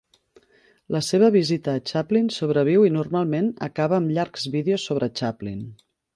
La seva visita a Chaplin sobreviu i normalment acaba amb llargs vídeos sobre Chaplin.